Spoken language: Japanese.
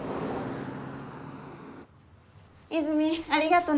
和泉ありがとね